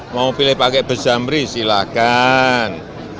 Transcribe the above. mau pilih pakai besamri silakan